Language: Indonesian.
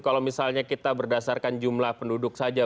kalau misalnya kita berdasarkan jumlah penduduk saja